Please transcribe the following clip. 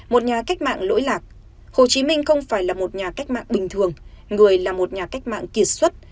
một nhà cách mạng lỗi lạc hồ chí minh không phải là một nhà cách mạng bình thường người là một nhà cách mạng kiệt xuất